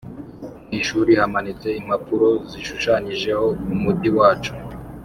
mwishuri hamanitse impapuro zishushanijeho umujyi wacu